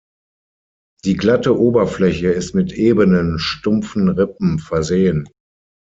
Die glatte Oberfläche ist mit ebenen, stumpfen Rippen versehen.